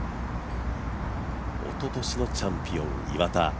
おととしのチャンピオン岩田。